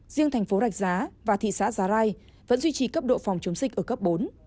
riêng thành phố rạch giá và thị xã giá rai vẫn duy trì cấp độ phòng chống dịch ở cấp bốn